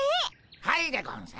はいでゴンス。